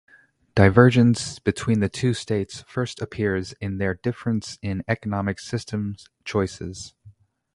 Divergence between the two states first appears in their difference in economic system choices.